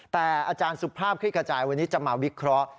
แต่อาจารย์สุภาพคลิกกระจายวันนี้จะมาวิเคราะห์